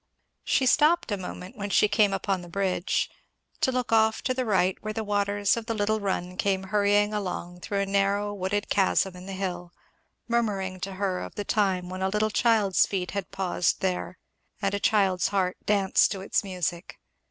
She stopped a moment when she came upon the bridge, to look off to the right where the waters of the little run came hurrying along through a narrow wooded chasm in the hill, murmuring to her of the time when a little child's feet had paused there and a child's heart danced to its music.